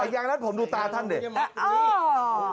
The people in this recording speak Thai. แยงมัดผมดูตาท่านเดี๋ยว